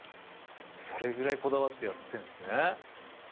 それぐらいこだわってやってるんですね。